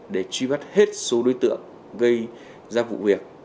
để truy bắt hết số đối tượng gây ra vụ việc